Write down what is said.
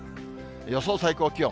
予想最高気温。